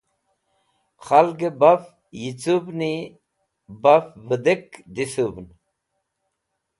Khalgẽ baf yicũvni baf vẽdek dhisũvẽn.